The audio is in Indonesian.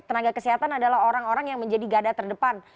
tenaga kesehatan adalah orang orang yang menjadi gada terdepan